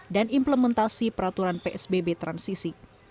dan implementasi peraturan psbb transisi